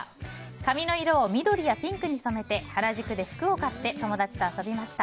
髪の色を緑やピンクに染めて原宿で服を買って友達と遊びました。